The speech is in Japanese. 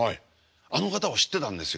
あの方を知ってたんですよ。